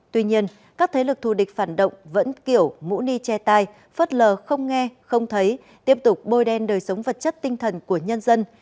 tuy nhiên các thế lực thù địch phản động vẫn kiểu mũ ni che tay phớt lờ không nghe không thấy tiếp tục bôi đen đời sống vật chất tinh thần của nhân dân